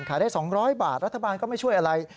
ขายได้๒๐๐บาทรัฐบาลก็ไม่ช่วยอะไร